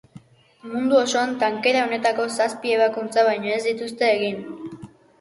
Mundu osoan tankera honetako zazpi ebakuntza baino ez dituzte egin.